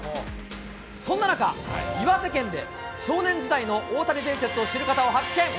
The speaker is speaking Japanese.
そんな中、岩手県で少年時代の大谷伝説を知る方を発見。